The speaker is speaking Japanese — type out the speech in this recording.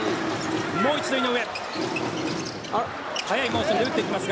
もう一度、井上。